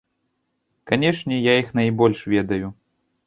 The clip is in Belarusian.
Канешне, я іх найбольш ведаю.